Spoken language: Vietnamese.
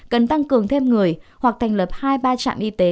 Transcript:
cần tăng cường thêm người hoặc thành lập hai ba trạm y tế